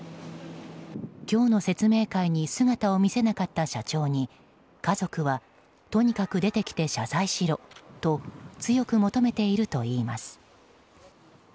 今日の説明会に姿を見せなかった社長に家族はとにかく出てきて謝罪しろと強く求めているといいます。